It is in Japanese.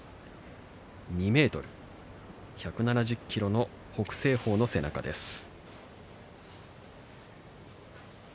２ｍ、１７０ｋｇの北青鵬の背中でした。